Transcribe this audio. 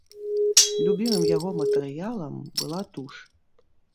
Любімым яго матэрыялам была туш.